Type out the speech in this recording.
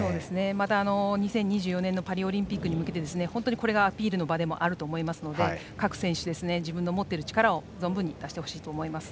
また２０２４年のパリオリンピックに向けて本当にこれがアピールの場でもあると思いますので各選手、自分の持っている力を存分に出してほしいと思います。